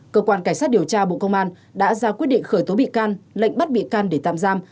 cơ quan cảnh sát điều tra bộ công an đã ra quyết định khởi tố bị can lệnh bắt bị can để tạm giam